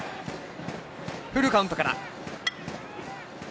フルカウントから。